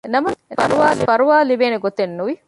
ނަމަވެސް ފަރުވާ ލިބޭނެ ގޮތެއް ނުވި